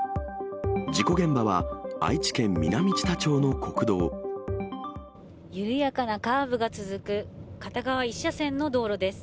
事故現場は、緩やかなカーブが続く、片側１車線の道路です。